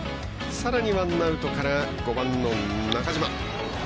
さらにワンアウトから５番の中島。